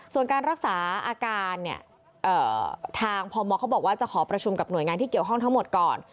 ส่วนการรักษาอาการเนี่ยทางพมเขาบอกว่าจะขอประชุมกับหน่วยงานที่เกี่ยวข้องทั้งหมดก่อน